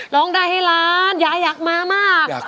ร้องได้ให้ล้านยายอยากมามาก